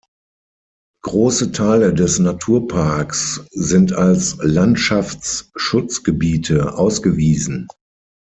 Große Teile des Naturparks sind als Landschaftsschutzgebiete ausgewiesen.